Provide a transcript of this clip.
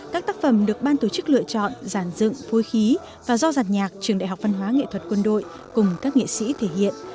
các tác phẩm được ban tổ chức lựa chọn giản dựng phối khí và do giàn nhạc trường đại học văn hóa nghệ thuật quân đội cùng các nghệ sĩ thể hiện